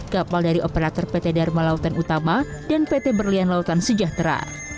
kapal dari operator pt dharma lautan utama dan pt berlian lautan sejahtera